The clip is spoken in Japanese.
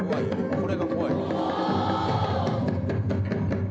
これが怖い。